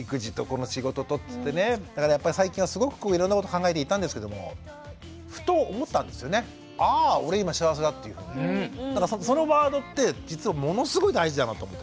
だからやっぱり最近はすごくいろんなこと考えていたんですけどもそのワードって実はものすごい大事だなと思って。